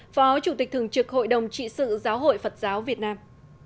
phó chủ tịch thường trực hội đồng trị sự giáo hội phật giáo việt nam